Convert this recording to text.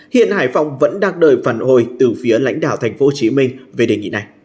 hiện hải phòng vẫn đang đợi phần hồi từ phía lãnh đạo thành phố hồ chí minh về đề nghị này